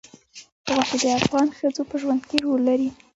غوښې د افغان ښځو په ژوند کې رول لري.